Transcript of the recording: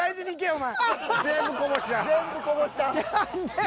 お前。